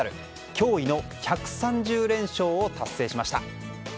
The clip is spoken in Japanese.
驚異の１３０連勝を達成しました。